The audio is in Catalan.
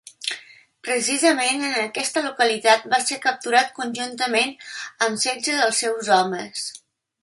Precisament en aquesta localitat va ser capturat conjuntament amb setze dels seus homes.